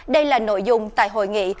đây là nội dung tại hội nghị